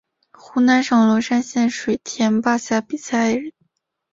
湖南省龙山县水田坝下比寨人。